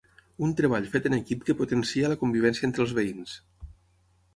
Un treball fet en equip que potencia la convivència entre els veïns.